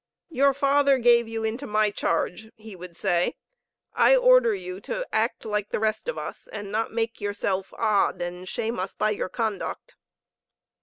"Your father gave you into my charge," he would say. "I order you to act like the rest of us and not make yourself odd and shame us by your conduct."